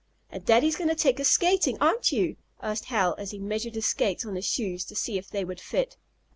"And Daddy's going to take us skating; aren't you?" asked Hal as he measured his skates on his shoes to see if they would fit.